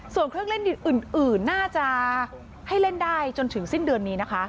ส่วนเครื่องเล่นดินอื่นน่าจะให้เล่นได้จนถึงสิ้นเดือนนี้นะคะ